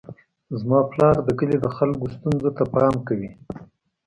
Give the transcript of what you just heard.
زما پلار د کلي د خلکو ستونزو ته پام کوي.